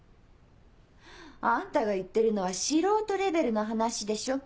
あんたが言ってるのは素人レベルの話でしょ。